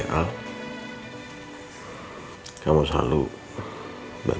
ada yang mau nyalahin